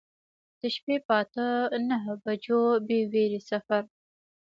د شپې په اته نهه بجو بې ویرې سفر.